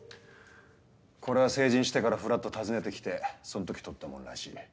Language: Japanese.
これは成人してからふらっと訪ねて来てその時撮ったものらしい。